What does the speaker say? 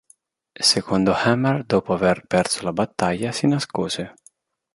Secondo Hammer dopo aver perso la battaglia si nascose.